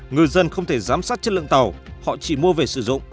ngư dân không thể giám sát chất lượng tàu họ chỉ mua về sử dụng